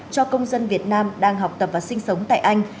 cho công dân việt nam đang học tập và sinh sống tại anh